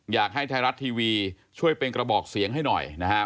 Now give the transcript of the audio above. อยากให้ไทยรัฐทีวีช่วยเป็นกระบอกเสียงให้หน่อยนะครับ